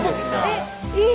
えっいい。